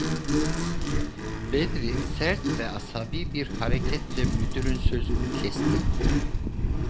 Bedri sert ve asabi bir hareketle müdürün sözünü Kesti: